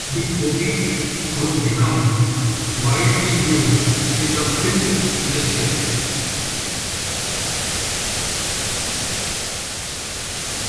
The Obie would become widely used in the film industry.